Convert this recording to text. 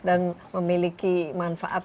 dan memiliki manfaat